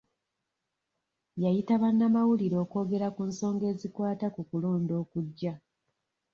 Yayita bannamawulire okwogera ku nsonga ezikwata ku kulonda okujja.